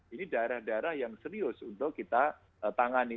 ini daerah daerah yang serius untuk kita tangani